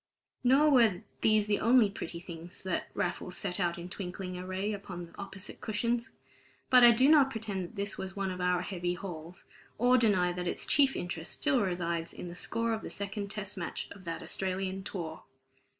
Nor were these the only pretty things that Raffles set out in twinkling array upon the opposite cushions. But I do not pretend that this was one of our heavy hauls, or deny that its chief interest still resides in the score of the Second Test Match of that Australian tour.